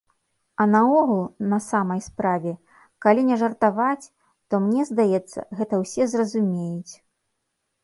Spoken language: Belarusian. А наогул, на самай справе, калі не жартаваць, то мне здаецца, гэта ўсе зразумеюць.